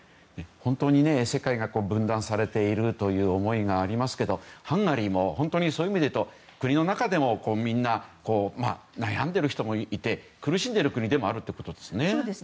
本当に世界が分断されているという思いがありますけどハンガリーもそういう意味で言うと国の中でもみんな悩んでいる人もいて苦しんでいる国でもあるということですね。